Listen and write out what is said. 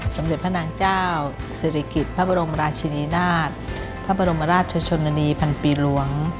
สมเด็จพระนางเจ้าศิริกิจพระบรมราชินีนาฏพระบรมราชชนนานีพันปีหลวง